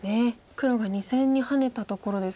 黒が２線にハネたところです。